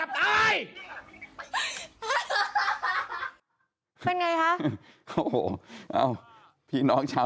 เลขบัญชีธนาคาร